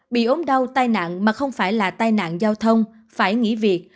bị ốm đau tai nạn mà không phải là tai nạn giao thông phải nghỉ việc